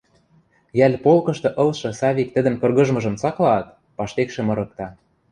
Йӓл полкышты ылшы Савик тӹдӹн кыргыжмыжым цаклаат, паштекшӹ мырыкта.